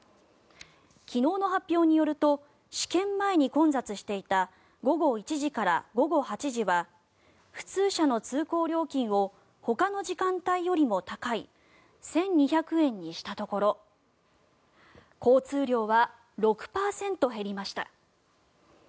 昨日の発表によると試験前に混雑していた午後１時から午後８時は普通車の通行料金をほかの時間帯よりも高い１２００円にしたところ交通量は６％減りました。